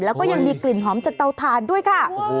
แล้วก็ยังมีกลิ่นหอมจากเตาถ่านด้วยค่ะ